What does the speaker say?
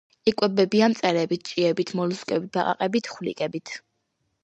იკვებებიან მწერებით, ჭიებით, მოლუსკებით, ბაყაყებით, ხვლიკებით.